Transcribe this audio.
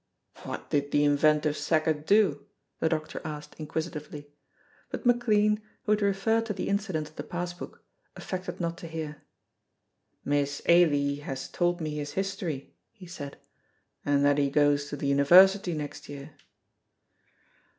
"What did the inventive sacket do?" the doctor asked inquisitively; but McLean, who had referred to the incident of the pass book, affected not to hear. "Miss Ailie has told me his history," he said, "and that he goes to the University next year."